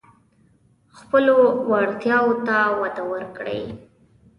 خپلو وړتیاوو ته وده ورکړئ.